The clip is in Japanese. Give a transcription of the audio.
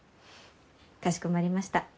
かしこまりました。